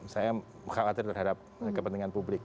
saya khawatir terhadap kepentingan publik